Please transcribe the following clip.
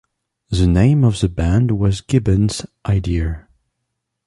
The name of the band was Gibbons' idea.